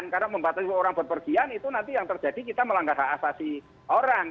karena membatasi orang berpergian itu nanti yang terjadi kita melanggar hak asasi orang